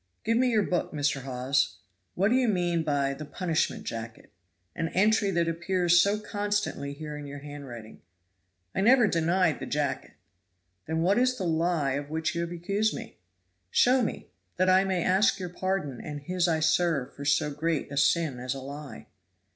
"Give me your book, Mr. Hawes. What do you mean by 'the punishment jacket,' an entry that appears so constantly here in your handwriting?" "I never denied the jacket." "Then what is the lie of which you have accused me? Show me that I may ask your pardon and His I serve for so great a sin as a lie."